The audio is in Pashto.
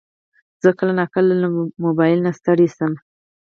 زه کله ناکله له موبایل نه ستړی شم.